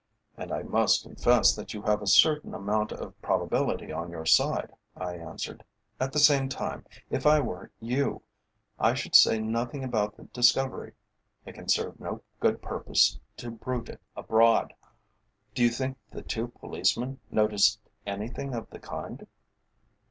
"And I must confess that you have a certain amount of probability on your side," I answered. "At the same time, if I were you, I should say nothing about the discovery. It can serve no good purpose to bruit it abroad. Do you think the two policemen noticed anything of the kind?"